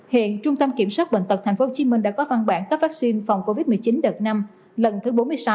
hiện trung tâm kiểm soát bệnh tật tp hcm đã có văn bản cấp vaccine phòng covid một mươi chín đợt năm lần thứ bốn mươi sáu